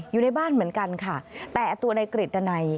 อยู่ในบ้านเหมือนกันค่ะแต่ตัวในกริจดันัย